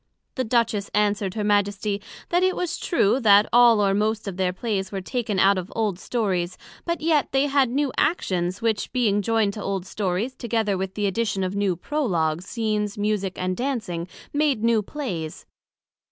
The Duchess answered Her Majesty, That it was true, that all or most of their Plays were taken out of old Stories; but yet they had new Actions, which being joined to old Stories, together with the addition of new Prologues, Scenes, Musick and Dancing, made new Plays.